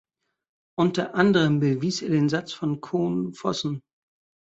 Unter anderem bewies er den Satz von Cohn-Vossen.